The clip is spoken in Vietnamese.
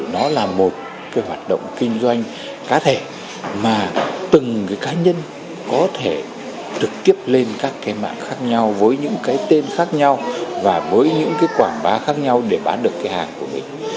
nó là một hoạt động kinh doanh cá thể mà từng cá nhân có thể trực tiếp lên các mạng khác nhau với những tên khác nhau và với những quảng bá khác nhau để bán được hàng của mình